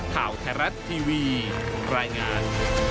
ข่าวไทยรัฐทีวีรายงาน